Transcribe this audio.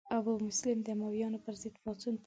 ابو مسلم د امویانو پر ضد پاڅون پیل کړ.